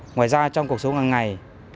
ngoài ra trong cuộc sống hàng ngày